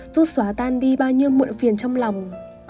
rút xóa tan đi bao nhiêu muộn phiền trong lòng